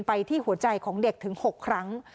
ไปที่หัวใจของเด็กถึง๖ครั้ง